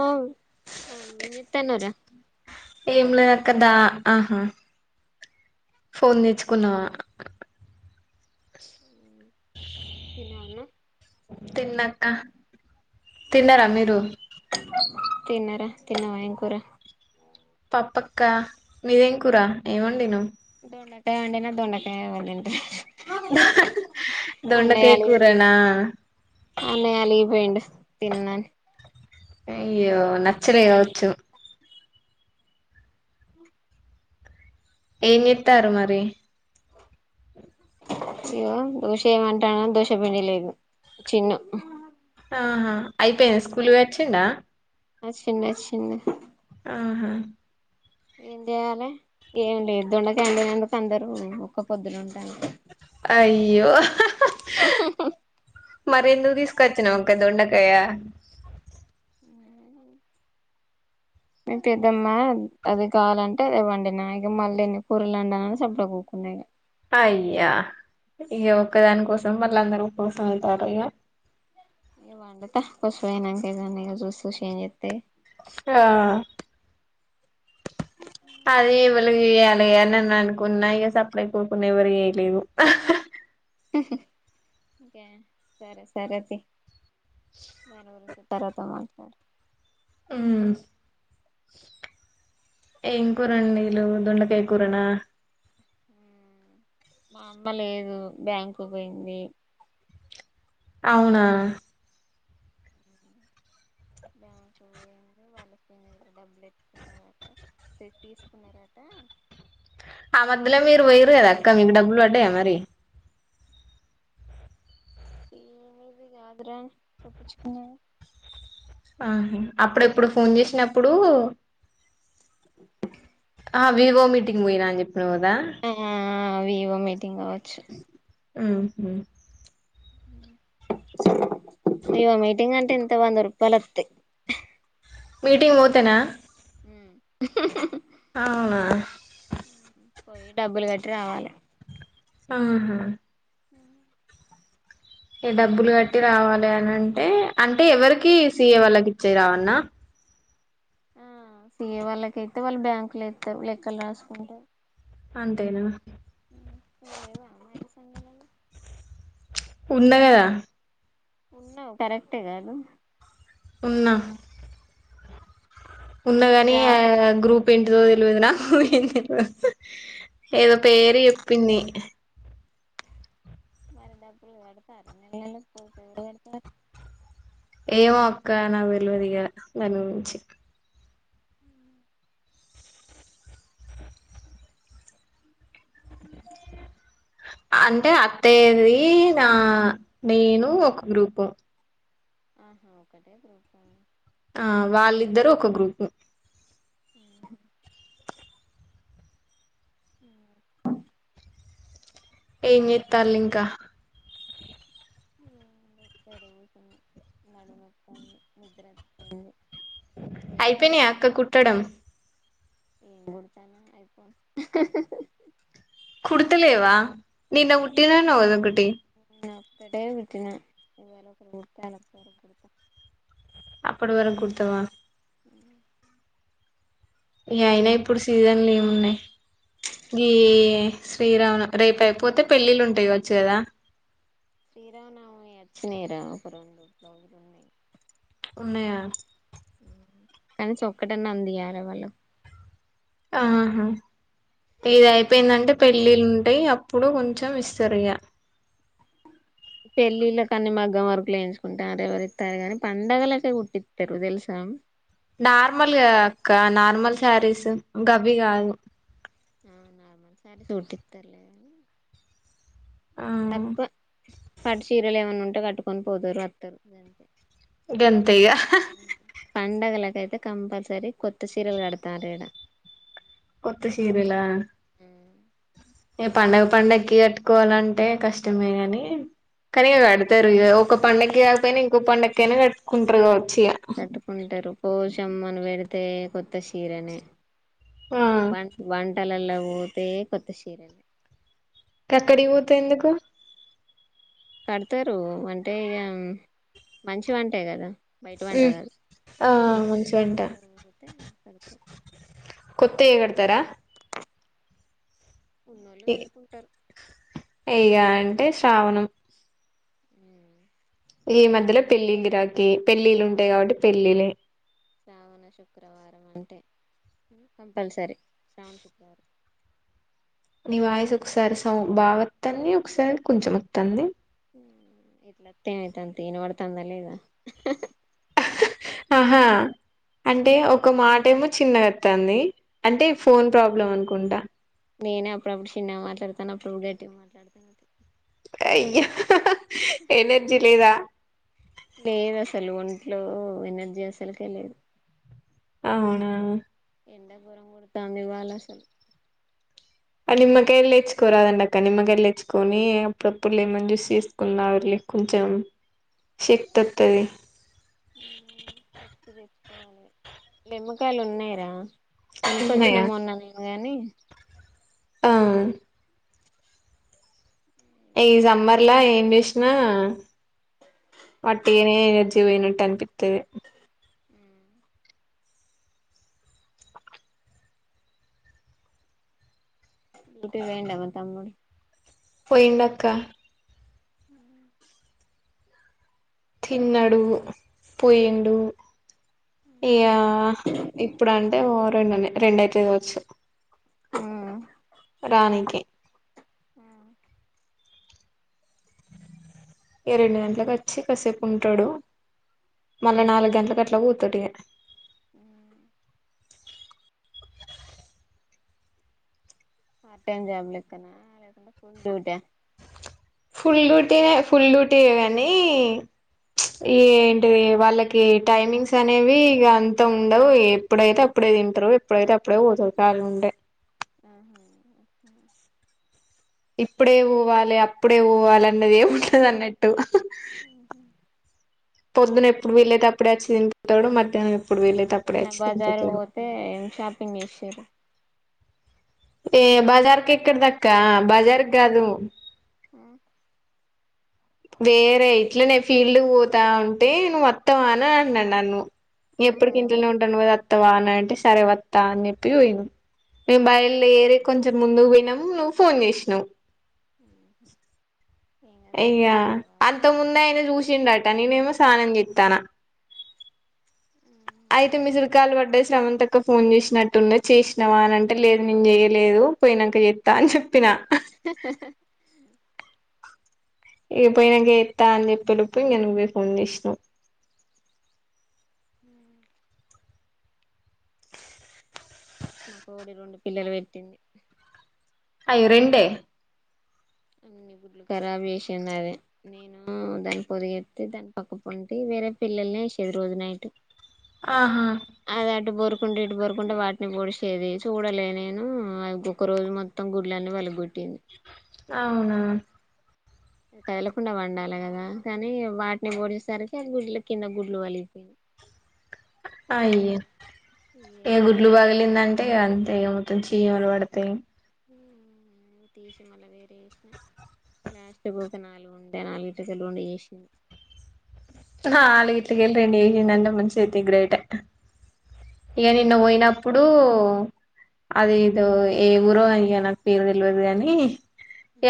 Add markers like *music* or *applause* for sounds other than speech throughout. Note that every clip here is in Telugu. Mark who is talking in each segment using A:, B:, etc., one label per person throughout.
A: ఉమ్ ఏమి చేస్తున్నావుర
B: ఏం లేద అక్క దా ఆహా ఫోన్ నేర్చుకున్నావ
A: తిన్న అన్న
B: తిన్నక్క తిన్నారా మీరు
A: తిన్నర తిన్నవా ఏం కూర
B: పప్పక్క మీదేం కూర ఏమండి నవ్
A: దొండకాయ వండినా దొండకాయ వడిన్
B: దొండ కాయ
A: అలి
B: కూరనా
A: తిన్నన్
B: అయ్యో నచ్చలే గావచ్చు ఏం జేత్తారు మరి
A: అయ్యో దోశ ఏమంటాన దోశ పిండి లేదు చిన్న
B: ఆహా అయిపోయింది స్కూల్ బోయ్యిచిండా
A: ఆ చిన్న చిన్న
B: ఆహా
A: ఏం జెయ్యాలే ఏం లేదు దొండ కాయండినందుకు అందరు ఒక్క పొద్దులు ఉం
B: అయ్యో మరి ఎందుతీసుక నవ్ దొండకాయ
A: మీ పెద్దమ్మ అది కావాలంటే అది వండిన ఇక మళ్ళీ కూరలు అండానని చెప్పుడు కూకుండా ఇ
B: అయ్యా ఇయక ఒకదాని కోసం మళ్ళ అందరూ కోసం వెళ్తారు ఇక
A: ఇ వండత కొసమయినాంక ఏదడి ఇ చూస్త చూసి ఏం చెప్స్తాయి
B: ఆ అది ఎవరి వయాలిని నన్ను అనుకున్నా ఇ సప్లై కోడుకున్న ఎవ్వరు వయలేదు
A: సరే సరే తి ననరు తరాత మాట్లాడు
B: ఉ ఏం కూరండి నీలు దొండకాయ కూరనా
A: మా అమ్మ లేదు బ్యాంకు పోయింది
B: అవునా
A: బ్యాంకు ఏంది వాళ్ళకి డబ్బులు ఎట్టుకున్నారట తీసుకున్నారట
B: ఆ మధ్యలో మీరు బోయిరు కదా అక్క మీకు డబ్బులు పడ్డాయా మరి
A: ఏది కాదుర పప్పించుకున్నా
B: ఆహా అప్పుడ ఎప్పుడు ఫోన్ చేసినప్పుడు ఆ వివో మీటింగ్ పోయిన అని చెప్పి గాదా
A: ఆ అవి ఇవో మీటింగ్ కావచ్చు
B: ఊహు
A: ఇవ మీటింగ్ అంటే ఇంత వంద రూపాయలత్తయ్
B: మీటింగ్ బోతేనా అవునా
A: పోయి డబ్బులు కట్టి రావాలి
B: ఆహా
A: ఉ
B: ఈ డబ్బులు గట్టి రావాలి అనంటే అంటే ఎవరికి సీఏ వాళ్ళకి ఇచ్చే రావన్నా
A: ఆ సీఏ వాళ్ళకైతే వాళ్ళు బ్యాంకులుస్త లెక్కలు రాసుకుంటే
B: అంతేనా
A: చూలే వా అ
B: ఉన్నా గదా
A: ఉన్నావు కరెక్టే గాదు
B: ఉన్నా ఉన్నగాని ఆ
A: జాబ్
B: గ్రూప్ ఇన్ని రోజులు వదినా *unintelligible* ఏదో పేరు చెప్పింది.
A: మరి డబ్బులు కడతారా నెల నెలకు ఎవరు కడతారు.
B: ఏమో అక్క నా తెలువదిగ దాని గురించి అంటే అత్తయ్యది నా నేను ఒక గ్రూపు.
A: ఆహా ఒకటే గ్రూపా
B: ఆ వాళ్ళిద్దరు ఒక గ్రూపు
A: అ అ *unintelligible*
B: ఏం చెప్పాలి ఇంకా.
A: ఇంకా ఏం చెప్పాలి ఇంకా నడుము నొప్పిగా ఉంది నిద్ర వస్తుంది.
B: అయిపోనయా అక్క కుట్టడం.
A: ఏం కుడతాను అయిపోయింది హుహుహు
B: కుడుతలేవా నిన్న కుట్టిన అన్నావు కదా ఒకటి
A: అవు *unintelligible* కట్టినయ పుట్టాను కట్ చేసిన కుట్టాలి ఆఫ్ సారీ కుడతాయి.
B: అప్పుటి వరకు కుడుతవా
A: - *inaudible*
B: ఈ అయినా ఇప్పుడు సీజన్లు ఏమున్నయ్ గీ శ్రీరామ రేపు అయిపోతే పెళ్ళిళ్ళు ఉంటాయికావచ్చు కదా.
A: శ్రీరామ నవమి అచ్చినయ్ రా ఒక రెండు బ్లౌజ్ లు ఉన్నాయి.
B: ఉన్నయా
A: కనీసం ఒక్కటన్నా అందియాల వాళ్ళుకు
B: ఆహా ఇది అయిపోయిందంటే పెళ్ళిళ్ళు ఉంటయి. అప్పుడు కొంచెం ఇస్తరిగా.
A: పెళ్ళిళ్ళ కన్నీ మగ్గం వర్క్ లేయించుకుంటర్రు ఎవరిత్తరు గాని, పండగలకే కుట్టిత్తరు తెలుసా.
B: నార్మల్ గా అక్క నార్మల్ శారీస్ గబి గాదు
A: అవవునా సారీ తోట్ ఇత్తరులే
B: ఆ
A: తక్కువె పట్టు చీరలు ఏమన్నా ఉ ట్ట కట్టుకొని పోతరు అత్తరు.
B: గంతే ఇగా హ్హ్
A: పండగలకైతే కంపల్సరీ కొత్త చీరలు కడతారు ఇడ.
B: కొత్తసీరలా ఏ
A: ఈ
B: పండగ పండక్కి ఈ కోనంటే కష్టమే గాని కనీ ఇగ
A: కడతా
B: కడుతరు ఇగ ఒక్క పండక్కి పైన ఇంకో పండగక్కైనా కట్టుకుంటరు.
A: కట్టుకుంటారు. పోషమ్మను పెడితే కొత్త చిరనే
B: ఆ
A: బంట్ బన్ తలల్లో పోతే కొత్త చిరనే
B: కక్కడికి పోతే ఎందుకు
A: కడతరూ అంటే ఇయా మంచివంటయి కదా బయట పంట
B: ఉమ్
A: కాదు
B: ఆ
A: హు బయట
B: మంచిగంట
A: పంట కాబట్టే కడతా
B: త్తర
A: ఉన్నోళ్ళు
B: ఇ
A: కట్టుకుంటారు
B: ఇయిగాన్ అంటే శ్రావణం
A: ఉ
B: ఈ మధ్యలో పెళ్లిలా గిరాకి పెళ్లిళ్లుంటాయి
A: శ్రావణ
B: కాబట్టి పెళ్ళిల్లె
A: ఉంటే హు కంపల్సరీ శ్రావణ శుక్రవారం
B: నీవాయిస్ ఒకసారి సౌన్ బాగా అత్తంది ఒకసారి కొంచెం అత్తంది
A: హు ఎట్లొస్తే ఏమైతది వినవడుతంద లేదా
B: ఆహా అంటే ఒక మాట ఏమో చిన్న గా వతంది అంటే ఫోన్ ప్రాబ్లెమ్ అనుకుంటా
A: నేనే అప్పుడప్పుడు చిన్న మాట్లాడతానా అప్పుడుప్పుడు గట్టిగా మాట్లాడతానా
B: అయ్యో ఎనర్జి లేదా
A: లేదు అసలు ఒంట్లో ఎనర్జీ అసలుకే లేదు
B: అవునా
A: ఎండ గోరంగా కొడుతోంది ఇవాళ
B: నిమ్మకాయలు లేచ్చుకోరాదండి అక్క నిమ్మకాయ తేచ్చుకొని అప్పుడప్పుడు లెమన్ జ్యూస్ చేసుకొని తాగుల్లి కొంచెం శక్తి వత్తది
A: శక్తి తెచ్చుకోవాలి నిలిమ్మకాయలు ఉన్నాయరా కొనుకొచ్చిన
B: ఉన్నాయా
A: మొన్న నేను గాని
B: అ ఈ
A: చేసుకుంటా
B: సమ్మర్లా ఏం చెస్ ఆ వట్టి గానే ఎనర్జీ పోయినట్టు అనిపిస్తది
A: హు డ్యూటీ కి పోయిండా మా తమ్ముడు
B: పోయిండు అక్క తిన్నడు పోయిండు ఇగ ఇప్పుడు అంటే పో రెడినే రెండు అయితది కావచ్చు
A: హు
B: రానికి
A: ఆ
B: రెండు గంటలలకు వచ్చి కాసేపు ఉంటాడు మళ్ళా నాలుగు గంటలలకు అట్లా పోత తుటిగా
A: అ పార్ట్ టైం జాబ్ లెక్కన లేకపోతే ఫుల్ డ్యూట
B: ఫుల్ డ్యూటీనే ఫుల్ డ్యూటీ కాగానీ ఈ ఏంటిది వాళ్ళకి టైమింగ్స్ అనేవి ఇక అంత ఉండవు ఎప్పుడైతే అప్పుడే తింటరు ఎప్పుడైతే అప్పుదే పోతారు పాజిబుల్ ఉంటె
A: ఆ హ
B: ఇప్పుడే పోఊవాలి అప్పుడే పోవాలి అన్నది ఏముండదు అన్నట్టు
A: ఊహు
B: పొద్దున ఎప్పుడు వెళ్ళే అప్పుడచ్చి తింటడు మధహ్ం
A: నిన్న బజారు పోతే షాపింగ్ చేసారు
B: ఏ బజార్కి ఎక్కడ దక్క బజార్కి కాదు
A: మ్
B: వేరే ఇట్లనే ఫీల్డ్ పోతా ఉంటే నువతవ అని అన్నాడు నన్ను ఎప్పుడు కూర్చొనే ఉండవు కదా వత్తవ అంటే సరే వత్తా అని చెప్పి పోయినా మేము బయలు దేరి కొంచెం ముందుకు పోయినాము ఫోన్ చేసినావ్
A: ఏం కాదు తప్పుడు
B: అయ్యా
A: అప్పుడు పోవాలి
B: అంత ముంద అయిన చూసిన్టట కానీ నేను స్నానం చేత్తాన అయితే మిస్డ్ కాల్ పడ్డది శ్రవంత్ అక్క ఫోన్ చేసినట్టున్నది చేసినవా అని అంటే లేదు నేను చేయలేదు పోయినంక చెత్తా అని చెప్ ఇ పోయినంక చేత్తా అని చెప్పేలోపే ఇంగ నువ్వే ఫోన్ చేశినవు
A: మా కోడి రొండు పిల్లలు పెట్టింది
B: అయ్యో రెండే
A: అన్నీ గుడ్లు ఖరాబ్ చేసింది అదే నేనూ దాన్ని పొదిగెత్తి దాని పక్క పాంటీ వేరే పిల్లల్ని ఏసేది రోజునైటు
B: ఆహా
A: కుంట ఇటు బొర్రుకుంట వాటిని పొడిశేది చూడలే నేనూ అది ఒక రోజు మొత్తం గుడ్లన్నీ పలగొట్టింది
B: అవునా
A: కదలకుండ పండాల గదా కానీ వాటిని పోడిశేసరికి అది గుడ్ల కింద గుడ్లు పగిలిపోయినయి
B: అయ్యో ఇగ గుడ్లు పగిలిందంటే ఇగ అంతే ఇగ మొత్ మొత్తం చీమలు పడతయి
A: తీశి మళ్ళ వేరే ఏశిన లాస్ట్కి ఒక నాలుగుండే నాలుగు ఇటుకలు ఉండి చేశిన ఇగ
B: నాలుగు ఇట్కెళ్ళి రెండు ఎసిందంటే మంచి అయితే గ్రేటె ఇగ నిన్న పోయినప్పుడూ అది ఏదో ఏ ఊరో ఇగ నాకు పేరు తెల్వదు కాని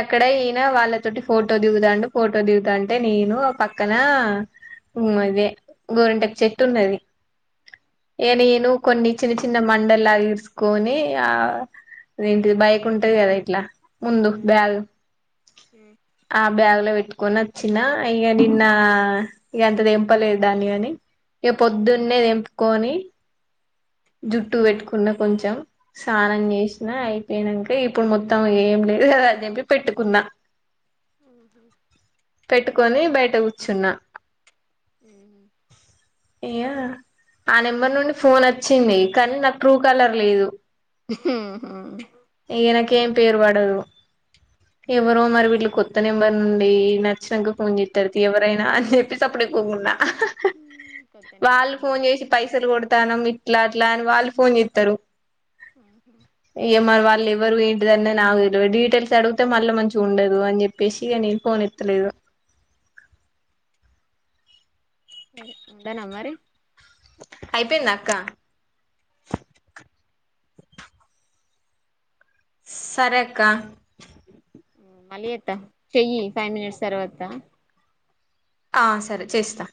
B: ఎక్కడ అయినా వాళ్ళ తోటి ఫోటో దిగుదాండు ఫోటో దిగుదాంటే నేనూ పక్కనా ఊ అదే గోరింటాక్ చెట్టు ఉన్నది ఇగ నేను కొన్ని చిన్న చిన్న మండల్లాగ ఇరుసుకోనీ ఆ ఇంటిది బైక్ ఉంటది గదా ఇట్లా ముందు బ్యాగు ఆ బ్యాగులో వెట్ కొనొచ్చినా ఇగ నిన్నా ఇగంత తెంపలేద్ దాన్ని గాని ఇగ పొద్దున్నే దెంపుకోని. జుట్టగ్ వెట్టుకున్న కొంచెం స్నానం జేస్నా ఐ పెయ్ నంక ఇప్పుడు మొత్తం ఏం లేదు గదా తెంపి పెట్టుకున్నా. పెట్టుకొని బై ట్ట్ కుచ్చున్నా
A: ఉమ్
B: ఇగా ఆ నెంబర్ నుండి ఫోన చ్చింది కానీ నాక్ ట్రూకాలర్ లేదు
A: హుమ్
B: ఇగ నాకేమ్ పేరు పడదు ఎవరో మరి వీళ్ళు కొత్త నెంబర్ నుండి ఈనొచ్చినంక ఫోన్ చేత్తరు తీ ఎవరైనా అని జెప్పేసప్పుడే పొనుకున్న.
A: కొత్త నెంబర్
B: వాళ్ళు
A: నుండి
B: ఫోన్ జేసి పైసలు
A: ఎత్తాలంటే
B: కొడతానం ఇట్ల అట్ల అని వాళ్ళు. ఫోన్ జేత్తరు
A: ఉహూ
B: లెవరు ఏంటిదన్నద్ నాకు దెల్ వద్ డీటెయ్ల్స్ అడుగుతే మళ్ళ మంచిగుండదు అని జెప్పేసి ఇగనేన్. పోనెత్త లేదు
A: ఉండనా మరి
B: అయ్ పెయ్ందాక్క. సరేక్క
A: ఉమ్ మళ్ళి జేత్త చెయ్యి ఫైవ్ మినిట్స్ తర్వాత.
B: ఆ సరే చేస్తా.